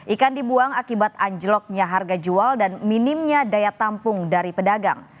ikan dibuang akibat anjloknya harga jual dan minimnya daya tampung dari pedagang